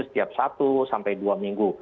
setiap satu sampai dua minggu